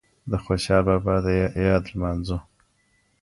د خوشحال بابا یاد نمانځو